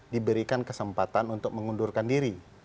diberikan kesempatan untuk mengundurkan diri